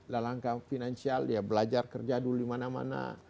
nah langkah finansial ya belajar kerja dulu di mana mana